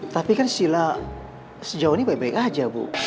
tapi kan sila sejauh ini baik baik aja bu